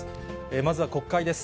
まずは国会です。